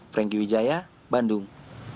franky widjaya bandung